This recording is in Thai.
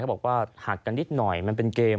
บอกว่าหักกันนิดหน่อยมันเป็นเกม